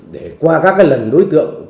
để qua các cái lần đối tượng